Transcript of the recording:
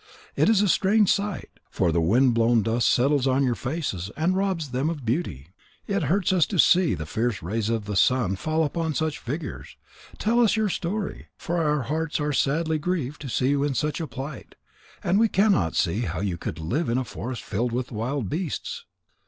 It is a strange sight. For the wind blown dust settles on your faces and robs them of beauty. It hurts us to see the fierce rays of the sun fall upon such figures. Tell us your story. For our hearts are sadly grieved to see you in such a plight. And we cannot see how you could live in a forest filled with wild beasts."